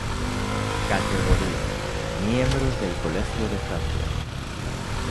Categoría:Miembros del Colegio de Francia